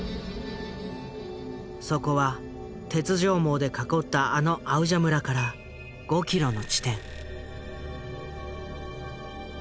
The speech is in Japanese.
そこは鉄条網で囲ったあのアウジャ村から５キロの地点。